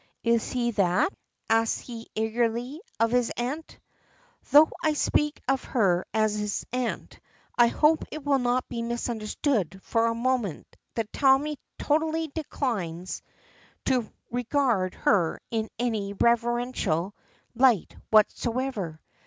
"Is he that?" asks he, eagerly, of his aunt. Though I speak of her as his aunt, I hope it will not be misunderstood for a moment that Tommy totally declines to regard her in any reverential light whatsoever.